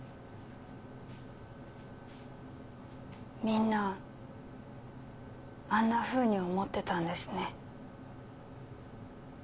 みんなあんなふうに思ってたんですね